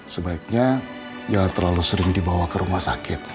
sebaiknya jangan terlalu sering dibawa ke rumah sakit